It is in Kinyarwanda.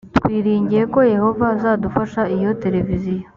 twiringiye ko yehova azadufasha iyo televiziyo